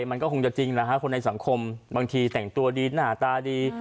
มันก็คงจะจริงนะฮะคนในสังคมบางทีแต่งตัวดีหน้าตาดี